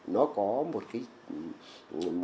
nó có một cái